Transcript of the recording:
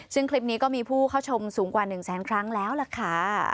ซึ่งคลิปนี้ก็มีผู้เข้าชมสูงกว่า๑แสนครั้งแล้วล่ะค่ะ